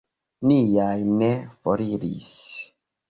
Niaj ne foriris.